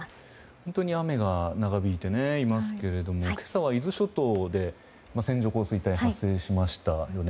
本当に雨が長引いていますけれども今朝は伊豆諸島で線状降水帯が発生しましたよね。